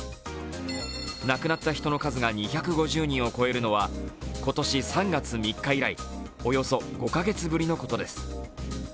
亡くなった人の数が２５０人を超えるのは今年３月３日以来、およそ５カ月ぶりのことです。